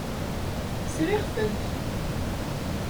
Sriɣ-tent.